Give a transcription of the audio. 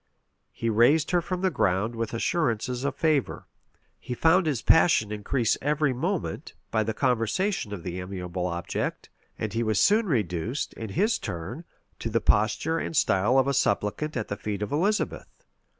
He raised her from the ground with assurances of favor; he found his passion increase every moment, by the conversation of the amiable object; and he was soon reduced, in his turn, to the posture and style of a supplicant at the feet of Elizabeth.